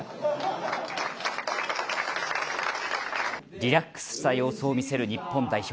リラックスした様子を見せる日本代表。